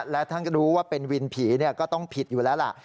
และท่านก็รู้ว่าเป็นวินผีก็ต้องผิดอยู่แล้วล่ะ